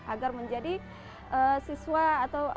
agar menjadi siswa dan anak lelaki yang berkembang ke kampung ini